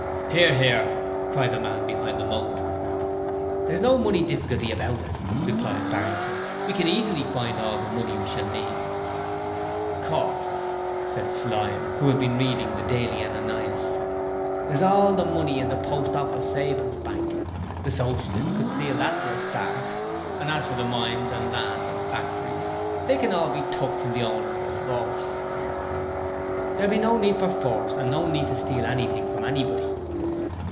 'Hear, hear,' cried the man behind the moat. 'There's no money difficulty about it,' replied Barrington. 'We can easily find all the money we shall need.' 'Of course,' said Slyme, who had been reading the Daily Ananias, 'there's all the money in the Post Office Savings Bank. The Socialists could steal that for a start; and as for the mines and land and factories, they can all be took from the owners by force.' 'There will be no need for force and no need to steal anything from anybody.'